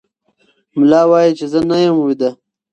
ملا وایي چې زه نه یم ویده.